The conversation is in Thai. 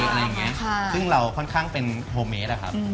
อะไรอย่างนี้ซึ่งเราค่อนข้างเป็นโฮเมสอะครับ